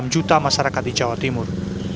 enam juta masyarakat di jawa timur